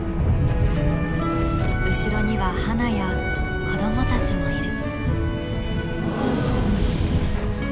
後ろにはハナや子どもたちもいる。